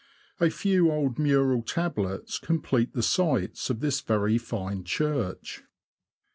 A few old mural tablets complete the sights of this very fine church.